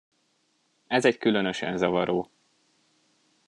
Ez egy különösen zavaró.